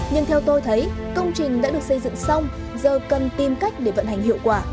nhưng theo tôi thấy công trình đã được xây dựng xong giờ cần tìm cách để vận hành hiệu quả